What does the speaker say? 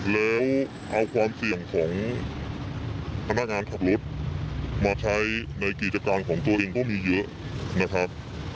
แล้วเอาความเสี่ยงของพนักงานขับรถมาใช้ในกิจการของตัวเองก็มีเยอะนะครับ